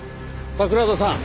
桜田さん